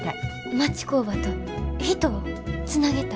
町工場と人をつなげたい。